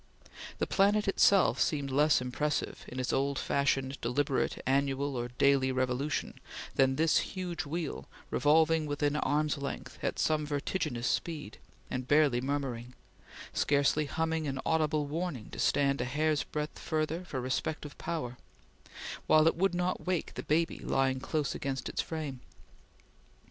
The planet itself seemed less impressive, in its old fashioned, deliberate, annual or daily revolution, than this huge wheel, revolving within arm's length at some vertiginous speed, and barely murmuring scarcely humming an audible warning to stand a hair's breadth further for respect of power while it would not wake the baby lying close against its frame.